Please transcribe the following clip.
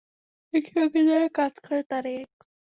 একসঙ্গে যারা কাজ করে তারাই এক।